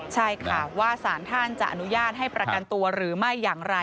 ใช่ค่ะว่าสารท่านจะอนุญาตให้ประกันตัวหรือไม่อย่างไร